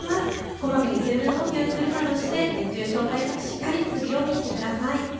こまめに水分補給するなどして熱中症対策、しっかりするようにしてください。